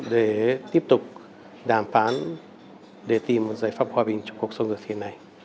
để tiếp tục đàm phán để tìm một giải pháp hòa bình cho cuộc xung đột hiện nay